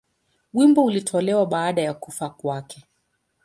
Wimbo ulitolewa baada ya kufa kwake.